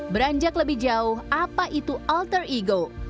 beranjak lebih jauh apa itu alter ego